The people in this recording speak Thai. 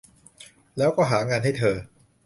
แล้วก็ หางานให้เธอ